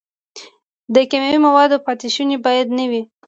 د کیمیاوي موادو پاتې شوني باید نه وي.